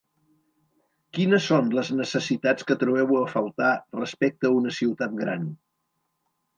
Quines son les necessitats que trobeu a faltar respecte una ciutat gran?